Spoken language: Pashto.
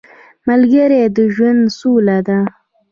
ملګری د ژوند سوله ده